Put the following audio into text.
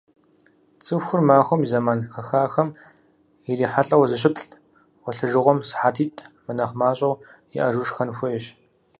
ЦӀыхур махуэм и зэман хэхахэм ирихьэлӀэу зыщыплӏ, гъуэлъыжыгъуэм сыхьэтитӏ мынэхъ мащӀэу иӀэжу, шхэн хуейщ.